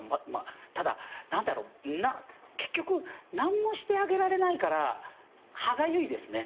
ただ何だろう結局何もしてあげられないから歯がゆいですね。